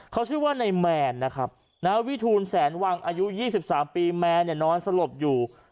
เขาชื่อว่านายแมนนะครับวิทูลแสนวังอายุ๒๓ปีแมนนอนสลบอยู่